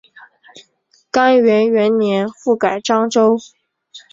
干元元年复改漳州。